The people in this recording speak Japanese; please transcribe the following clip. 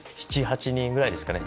７８人ぐらいですね。